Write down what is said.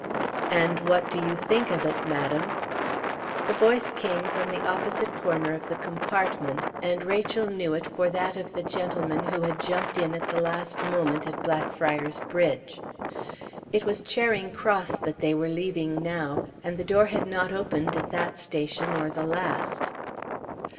"And what do you think of it, madam?" The voice came from the opposite corner of the compartment, and Rachel knew it for that of the gentleman who had jumped in at the last moment at Blackfriars Bridge. It was Charing Cross that they were leaving now, and the door had not opened at that station or the last.